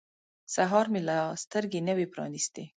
سهار مې لا سترګې نه وې پرانیستې.